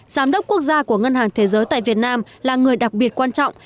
giám đốc quốc gia của ngân hàng thế giới tại việt nam là người đặc biệt quan trọng